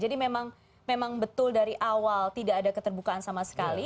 jadi memang betul dari awal tidak ada keterbukaan sama sekali